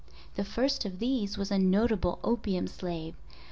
The first of these was a notable opium slave.